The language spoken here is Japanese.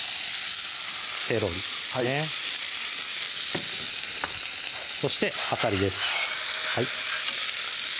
セロリですねはいそしてあさりです